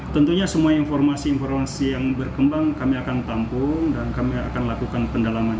tentunya semua informasi informasi yang berkembang kami akan tampung dan kami akan lakukan pendalaman